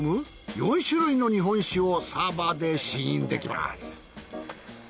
４種類の日本酒をサーバーで試飲できます。